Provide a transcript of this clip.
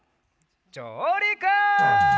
じょうりく！